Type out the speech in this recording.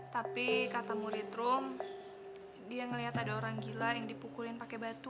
tapi kata murid rom dia ngeliat ada orang gila yang dipukulin pake batu